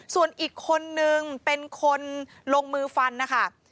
ส่วนอีกคนนึงเป็นคนลงมือฟันนะคะ